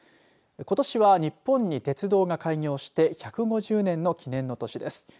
ことしは日本に鉄道が開業して１５０年の記念の年です。